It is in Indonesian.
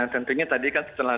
tentunya tadi kan setelah